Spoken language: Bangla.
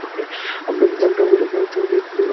আমরা পালানোর চেষ্টা করছি।